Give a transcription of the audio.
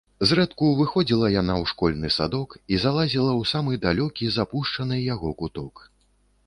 Зрэдку выходзіла яна ў школьны садок і залазіла ў самы далёкі, запушчаны яго куток.